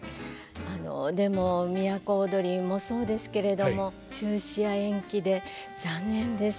でも「都をどり」もそうですけれども中止や延期で残念です。